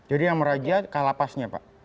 jadi yang merajia kalapasnya pak